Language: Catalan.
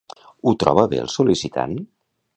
Ho troba bé el sol·licitant?